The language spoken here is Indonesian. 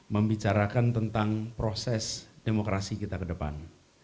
membicarakan tentang proses demokrasi kita ke depan